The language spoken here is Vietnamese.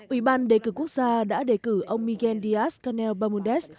ủy ban đề cử quốc gia đã đề cử ông miguel díaz canel bamundez